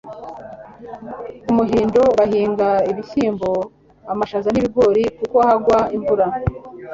ku muhindo bahinga ibishyimbo, amashaza, n'ibigori kuko hagwa imvura